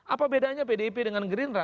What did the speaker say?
apa bedanya pdp dengan green ra